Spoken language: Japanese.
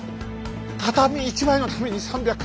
畳１枚のために３００！